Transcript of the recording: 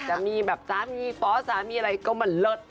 จะมีแบบสามีฟ้อสามีอะไรก็มันเลิศ